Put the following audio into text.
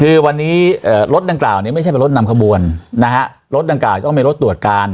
คือวันนี้รถดังกล่าวเนี่ยไม่ใช่เป็นรถนำขบวนนะฮะรถดังกล่าต้องเป็นรถตรวจการ